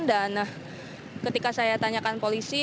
dan ketika saya tanyakan polisi